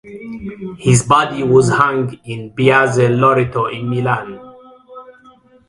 His body was hung in piazzale Loreto in Milan.